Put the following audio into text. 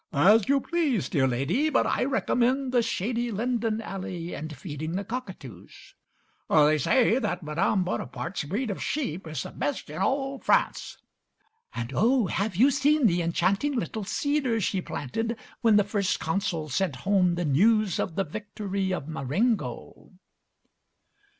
"As you please, dear Lady, but I recommend the shady linden alley and feeding the cockatoos." "They say that Madame Bonaparte's breed of sheep is the best in all France." "And, oh, have you seen the enchanting little cedar she planted when the First Consul sent home the news of the victory of Marengo?"